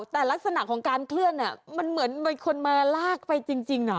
แต่ลักษณะของการเคลื่อนมันเหมือนมีคนมาลากไปจริงเหรอ